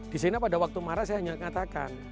di sini pada waktu marah saya hanya mengatakan